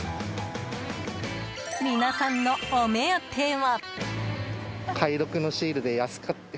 皆さんのお目当ては。